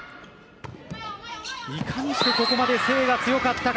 いかにしてここまで誠英が強かったか。